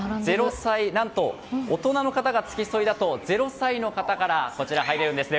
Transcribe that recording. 何と大人の付き添いだと０歳の方から入れるんですね。